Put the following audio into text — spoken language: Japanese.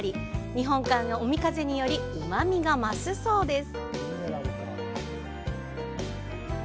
日本海の海風によりうまみが増すそうです。